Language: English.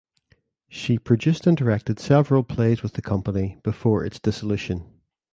She produced and directed several plays with the company before its dissolution.